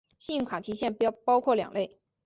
信用卡提现包括两类。